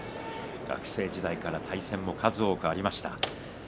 学生時代から対戦も数多くありました。